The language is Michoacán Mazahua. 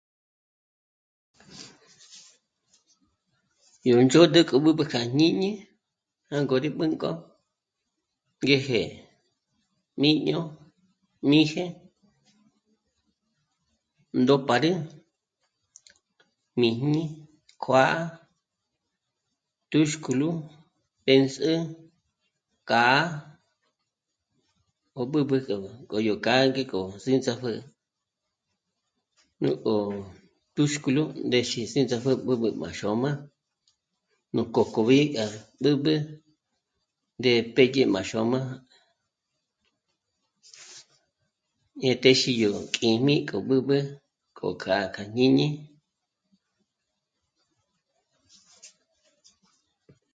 Yo nzhód'üko b'ǘb'ü ja jñíñi já ngo rí wénk'o t'eje mí'ño míje ndóparü nǐjni kjuǎ'a túxkulu 'äsä kǎ ò b'ǘb'üjo go yo kâ ngeko sínzhapjü nùgo túxkulu ndéxe sínzhapjǜ b'ǘb'ü ma xö̌mü nuk'ö kob'iga dǖtǖ d'e téye ma xö̌mü ye téxiyo k'íjmi k'a b'ǘb'ükö k'a k'a jñíñi